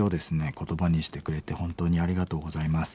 言葉にしてくれて本当にありがとうございます。